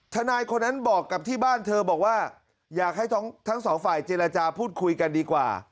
ทนายคนนั้นบอกกับที่บ้านเธอบอกว่าอยากให้ทั้งสองฝ่ายเจรจาพูดคุยกันดีกว่า